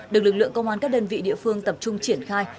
được lực lượng công an các đơn vị địa phương tập trung triển khai